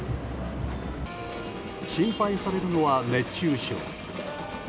心配されるのは熱中症。